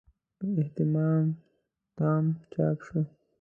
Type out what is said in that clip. په اهتمام تام چاپ شو.